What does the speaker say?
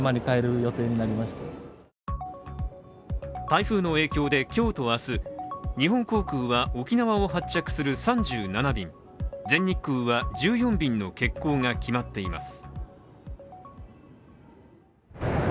台風の影響で今日と明日、日本航空は沖縄を発着する３７便全日空は１４便の欠航が決まっています。